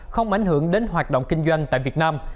không ảnh hưởng đến hoạt động kinh doanh tại việt nam